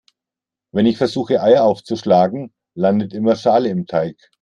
Wenn ich versuche Eier aufzuschlagen, landet immer Schale im Teig.